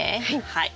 はい。